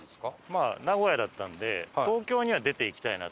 まあ名古屋だったんで東京には出ていきたいなと思って。